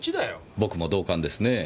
僕も同感ですねぇ。